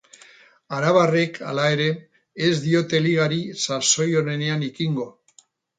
Arabarrek, hala ere, ez diote ligari sasoi onenean ekingo.